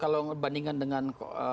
kalau berbandingkan dengan